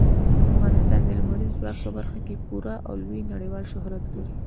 افغانستان د لمریز ځواک په برخه کې پوره او لوی نړیوال شهرت لري.